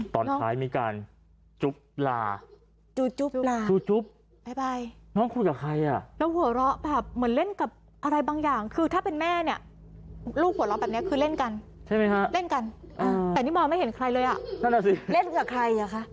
ตอนท้ายมีการจุ๊บลาจูจุ๊บลาจูจุ๊บน้องคุยกับใครอ่ะแล้วหัวเราะแบบเหมือนเล่นกับอะไรบางอย่างคือถ้าเป็นแม่เนี่ยลูกหัวเราะแบบนี้คือเล่นกันใช่ไหมฮะเล่นกันแต่นี่มองไม่เห็นใครเลยอ่ะนั่นแหละสิเล่นกับใครอ่ะคะ